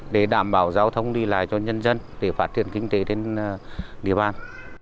để đảm bảo giao thông đi lại cho nhân dân để phát triển kinh tế trên địa bàn